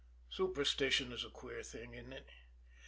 Superstition is a queer thing, isn't it?